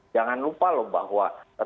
jangan lupa loh bahwa